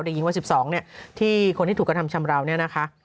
หญิงวัย๑๒ที่คนที่ถูกกระทำชำราวเนี่ยนะคะ